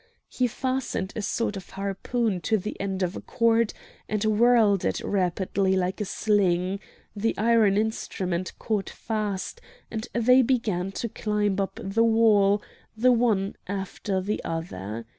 He fastened a sort of harpoon to the end of a cord and whirled it rapidly like a sling; the iron instrument caught fast, and they began to climb up the wall, the one after the other.